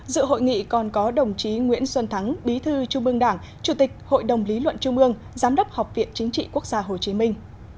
dự hội nghị còn có đồng chí nguyễn xuân thắng bí thư trung ương đảng chủ tịch hội đồng lý luận trung ương giám đốc học viện chính trị quốc gia hồ chí minh